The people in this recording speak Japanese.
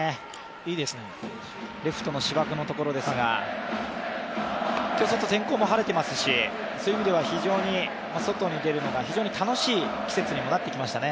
いいですね、レフトの芝生のところですが、今日、外、天候も晴れていますので、そういう意味では非常に外に出るのが楽しい季節にもなってきましたね。